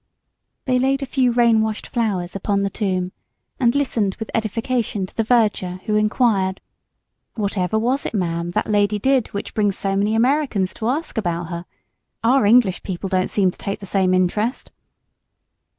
They laid a few rain washed flowers upon the tomb, and listened with edification to the verger, who inquired, "Whatever was it, ma'am, that lady did which brings so many h'Americans to h'ask about her? Our h'English people don't seem to take the same h'interest."